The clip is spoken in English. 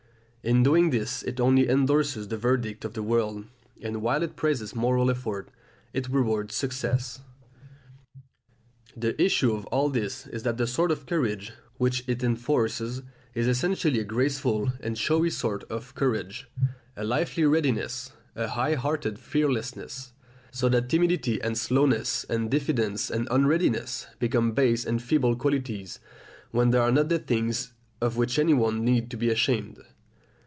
In doing this it only endorses the verdict of the world, and while it praises moral effort, it rewards success. The issue of all this is that the sort of courage which it enforces is essentially a graceful and showy sort of courage, a lively readiness, a high hearted fearlessness so that timidity and slowness and diffidence and unreadiness become base and feeble qualities, when they are not the things of which anyone need be ashamed!